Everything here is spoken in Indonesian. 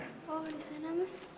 oh di sana mas